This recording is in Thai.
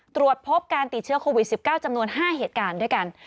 ตรวจพบการติดเชื้อโควิด๑๙จำนวน๕เหตุการณ์ด้วยกัน